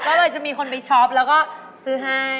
ก็เลยจะมีคนไปช็อปแล้วก็ซื้อให้